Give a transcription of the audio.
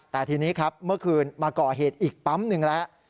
แต่ทีนี้ครับเมื่อคืนมาก่อเหตุอีกปั๊มหนึ่งแล้ว